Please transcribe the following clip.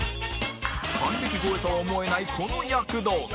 還暦超えとは思えないこの躍動感